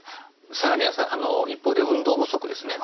更に一方で運動不足ですね。